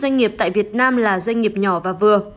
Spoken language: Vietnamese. chín mươi năm doanh nghiệp tại việt nam là doanh nghiệp nhỏ và vừa